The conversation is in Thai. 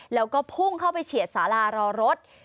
แล้วก็พุ่งเข้าไปเฉียดสารารอรถ